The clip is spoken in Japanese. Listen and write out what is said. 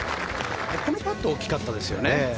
ここのパットは大きかったですよね。